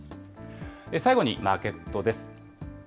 最後にマーケットです。